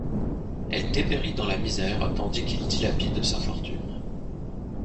Elle dépérit dans la misère tandis qu'il dilapide sa fortune.